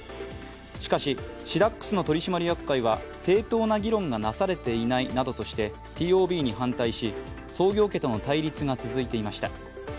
しかし、シダックスの取締役会は正当な議論がなされていないなどとしてＴＯＢに反対し、創業家との対立が続いていました。